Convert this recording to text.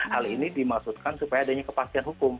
hal ini dimaksudkan supaya adanya kepastian hukum